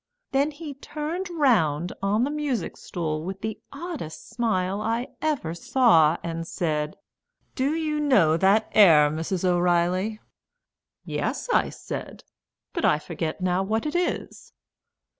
Then he turned round on the music stool with the oddest smile I ever saw, and said, "Do you know that air, Mrs. O'Reilly?" "Yes," I said; "but I forget now what it is.'"